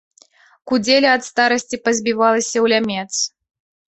Кудзеля ад старасці пазбівалася ў лямец.